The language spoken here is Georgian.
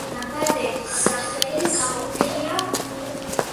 დაბადების სახელი სოფია იყო.